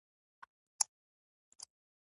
هګۍ د طبیعت له نعمتونو ده.